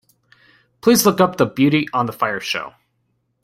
Please look up the Beauty on the Fire show.